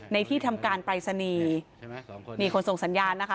ในที่ทำการปลายสนีนี่คนส่งสัญญาณนะคะ